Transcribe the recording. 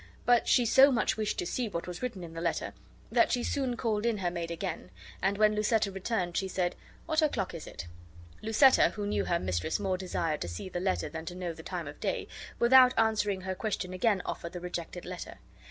But she so much wished to see what was written in the letter that she soon called in her maid again; and when Lucetta returned she said, "What o'clock is it?" Lucetta, who knew her mistress more desired to see the letter than to know the time of day, without answering her question again offered the rejected letter.